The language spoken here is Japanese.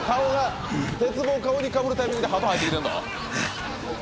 鉄棒顔にかぶるタイミングでハト入って来てんぞ。